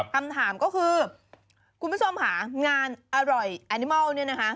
คำถามก็คือคุณผู้ชมค่ะงานอร่อยแอนิมอลเนี่ยนะคะ